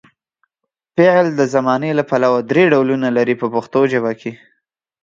فعل د زمانې له پلوه درې ډولونه لري په پښتو ژبه.